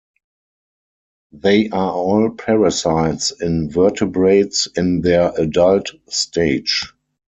They are all parasites in vertebrates in their adult stage.